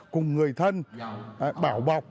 cùng người thân bảo bọc